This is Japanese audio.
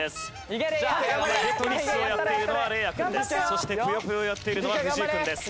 そして『ぷよぷよ』をやっているのは藤井君です。